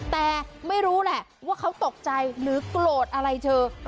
แต่ไม่รู้แหละว่าเขาตกใจหรือโกรธอะไรเธอ